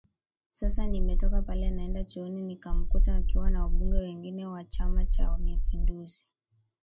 Sasa nimetoka pale naenda chooni nikamkuta akiwa na wabunge wengine wa Chama cha mapinduzi